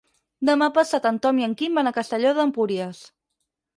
Demà passat en Tom i en Quim van a Castelló d'Empúries.